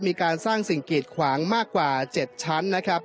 มีการสร้างสิ่งกีดขวางมากกว่า๗ชั้นนะครับ